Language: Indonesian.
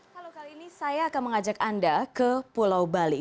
halo kali ini saya akan mengajak anda ke pulau bali